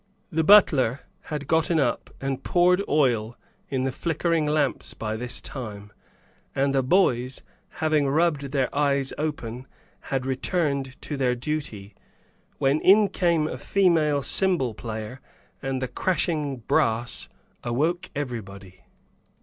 The butler had gotten up and poured oil in the flickering lamps by this time, and the boys, having rubbed their eyes open, had returned to their duty, when in came a female cymbal player and the crashing brass awoke everybody.